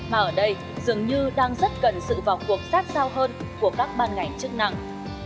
mà ở đây dường như đang rất cần sự vào cuộc sát sao hơn của các ban ngành chức năng